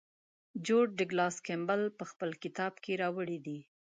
جورج ډاګلاس کیمبل په خپل کتاب کې راوړی دی.